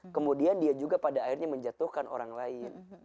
kemudian dia juga pada akhirnya menjatuhkan orang lain